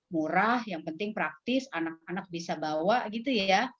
murah yang penting praktis anak anak bisa bawa gitu ya